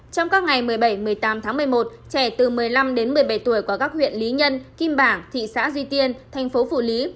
trong các ngày một mươi bảy một mươi tám tháng một mươi một trẻ từ một mươi năm đến một mươi bảy tuổi ở các huyện lý nhân kim bảng thị xã duy tiên thành phố phủ lý